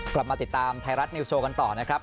กลับมาติดตามไทยรัฐนิวโชว์กันต่อนะครับ